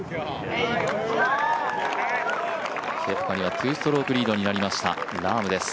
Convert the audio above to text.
ケプカには２ストロークリードになりました、ラームです。